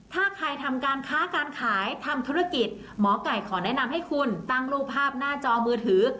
ถ้าใครทำการค้าการขายทำธุรกิจหมอไก่ขอแนะนำให้คุณตั้งรูปภาพหน้าจอมือถือ